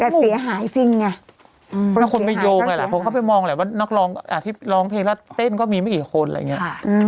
แต่เสียหายจริงไงเพราะคนไปโยงหลายคนเข้าไปมองแหละว่านักร้องที่ร้องเพลงแล้วเต้นก็มีไม่กี่คนอะไรอย่างนี้